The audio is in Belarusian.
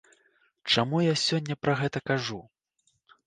Чаму я сёння пра гэта кажу?